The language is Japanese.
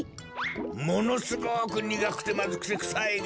ものすごくにがくてまずくてくさいが。